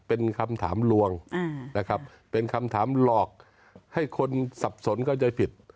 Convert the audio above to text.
เป็นคำถามรวงเป็นคำถามหลอกให้คนสับสนก็จะผิด